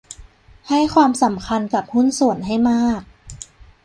ให้ความสำคัญกับหุ้นส่วนให้มาก